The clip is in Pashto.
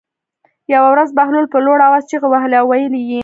یوه ورځ بهلول په لوړ آواز چغې وهلې او ویلې یې.